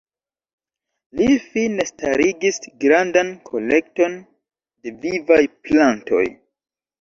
Li fine starigis grandan kolekton de vivaj plantoj.